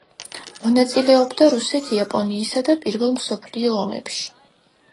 მონაწილეობდა რუსეთ-იაპონიისა და პირველ მსოფლიო ომებში.